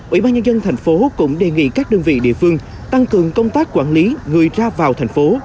ủy ban nhân dân thành phố cũng đề nghị các đơn vị địa phương tăng cường công tác quản lý người ra vào thành phố